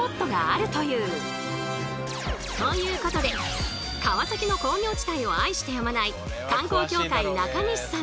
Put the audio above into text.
ということで川崎の工業地帯を愛してやまない観光協会中西さんの厳選！